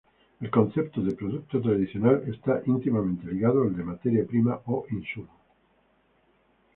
El concepto de "producto tradicional" está íntimamente ligado al de "materia prima" o insumo.